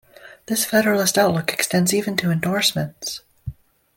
This federalist outlook extends even to endorsements.